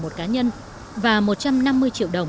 một cá nhân và một trăm năm mươi triệu đồng